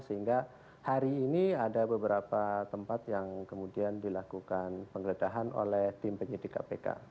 jadi pada hari ini ada beberapa tempat yang kemudian dilakukan penggeledahan oleh tim penyidik kpk